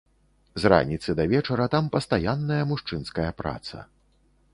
З раніцы да вечара там пастаянная мужчынская праца.